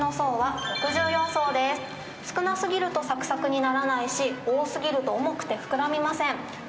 少なすぎるとサクサクにならないし、多すぎると重くて膨らみません。